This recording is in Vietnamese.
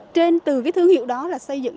trên từ cái thương hiệu đó là xây dựng